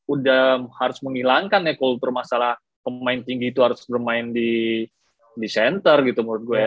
udah harus menghilangkan ya kultur masalah pemain tinggi itu harus bermain di center gitu menurut gue